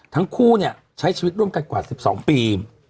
ทั้งคู่ใช้ชีวิตร่วมกันกว่า๑๒ปี